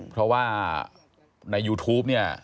เพราะว่าในยูทูปเนี่ย